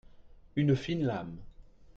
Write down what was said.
Une fine lame